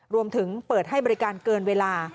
รวมถึงเปิดให้บริการเกินเวลา